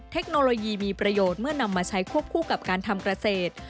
เทคโนโลยีมีประโยชน์เมื่อนำมาใช้ควบคู่กับการทำเกษตร